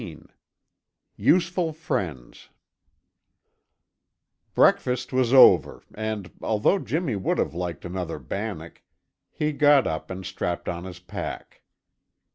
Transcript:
XIX USEFUL FRIENDS Breakfast was over and, although Jimmy would have liked another bannock, he got up and strapped on his pack.